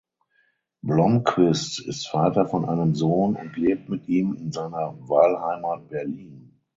Blomqvist ist Vater von einem Sohn und lebt mit ihm in seiner Wahlheimat Berlin.